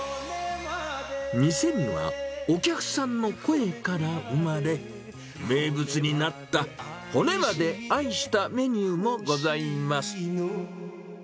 店には、お客さんの声から生まれ、名物になった骨まで愛したメニューもございます。